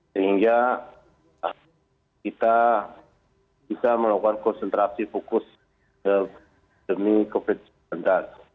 sehingga kita bisa melakukan konsentrasi fokus demi covid sembilan belas